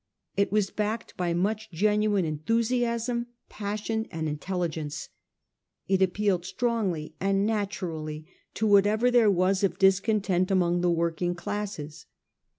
It was backed by much genuine enthusiasm, passion and intelligence. It appealed strongly and naturally to whatever there was of dis content among the working classes.